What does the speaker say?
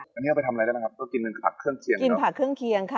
อันนี้เอาไปทำอะไรได้นะครับกินผักเครื่องเคียง